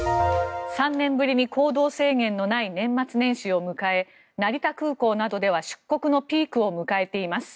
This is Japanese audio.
３年ぶりに行動制限のない年末年始を迎え成田空港などでは出国のピークを迎えています。